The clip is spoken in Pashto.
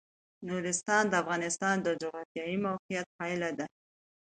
نورستان د افغانستان د جغرافیایي موقیعت پایله ده.